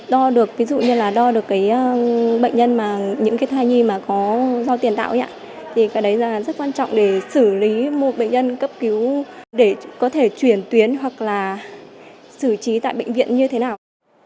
đo được ví dụ như là đo được cái bệnh nhân mà những cái thai nhi mà có do tiền tạo thì cái đấy là rất quan trọng để xử lý một bệnh nhân cấp cứu để có thể chuyển tuyến hoặc là xử trí tại bệnh viện như thế nào